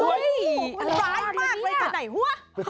เฮ้ยมันร้ายมากเลยกับใดหัว